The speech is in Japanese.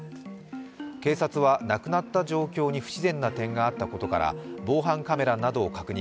警察は亡くなった状況に不自然な点があったことから防犯カメラなどを確認。